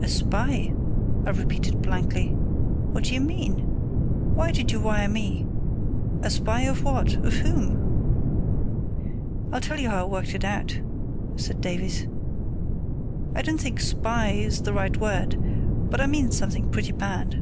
"A spy!" I repeated blankly. "What do you mean? Why did you wire to me? A spy of what—of whom?" "I'll tell you how I worked it out," said Davies. "I don't think 'spy' is the right word; but I mean something pretty bad.